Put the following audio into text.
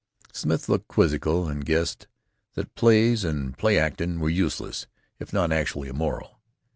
Smith looked quizzical and "guessed" that plays and play actin' were useless, if not actually immoral.